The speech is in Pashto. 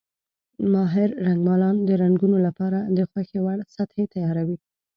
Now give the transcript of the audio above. ماهر رنګمالان د رنګونو لپاره د خوښې وړ سطحې تیاروي.